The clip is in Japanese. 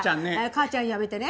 「かあちゃん」やめてね。